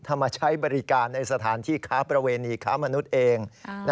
ถ้ามาใช้บริการในสถานที่ค้าประเวณีค้ามนุษย์เอง